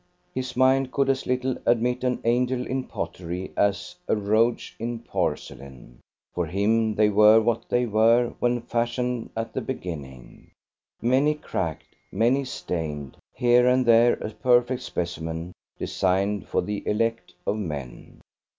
His mind could as little admit an angel in pottery as a rogue in porcelain. For him they were what they were when fashioned at the beginning; many cracked, many stained, here and there a perfect specimen designed for the elect of men.